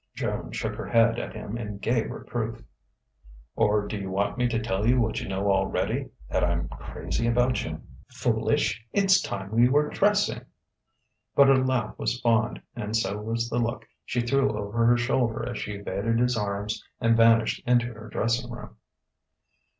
Joan shook her head at him in gay reproof. "Or do you want me to tell you what you know already that I'm crazy about you?" "Foolish! It's time we were dressing!" But her laugh was fond, and so was the look she threw over her shoulder as she evaded his arms and vanished into her dressing room.